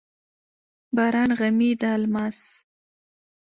باران غمي د الماس،